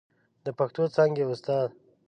د پښتو څانګې استاد